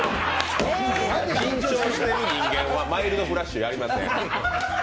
緊張してる人間はマイルドフラッシュやりません。